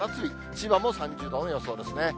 千葉も３０度の予想ですね。